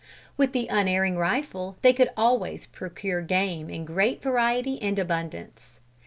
With the unerring rifle, they could always procure game in great variety and abundance.